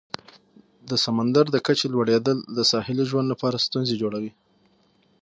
د سمندر د کچې لوړیدل د ساحلي ژوند لپاره ستونزې جوړوي.